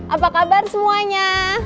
apa kabar semuanya